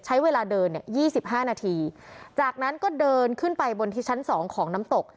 ใช้เวลาเดินเนี่ย๒๕นาทีจากนั้นก็เดินขึ้นไปบนที่ชั้นสองของน้ำตก